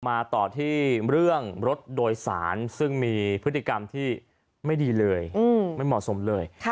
มาต่อที่เรื่องรถโดยสารซึ่งมีพฤติกรรมที่ไม่ดีเลยไม่เหมาะสมเลย